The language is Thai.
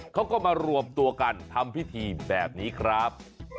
เขาก็มารวมตัวกันทำพิธีแบบนี้ครับ